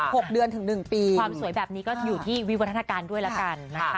หกเดือนถึงหนึ่งปีความสวยแบบนี้ก็อยู่ที่วิวัฒนาการด้วยละกันนะคะ